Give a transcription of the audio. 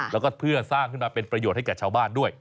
แล้วก็เพื่อสร้างขึ้นมาเป็นประโยชน์ให้แก่ชาวบ้านด้วย